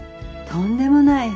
とんでもない。